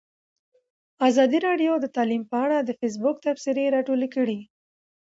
ازادي راډیو د تعلیم په اړه د فیسبوک تبصرې راټولې کړي.